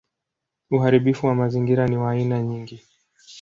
Uharibifu wa mazingira ni wa aina nyingi.